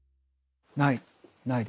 ない。